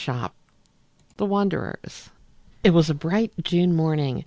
II THE WANDERERS It was a bright June morning.